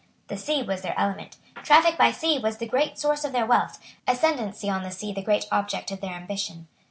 The sea was their element. Traffic by sea was the great source of their wealth; ascendency on the sea the great object of their ambition.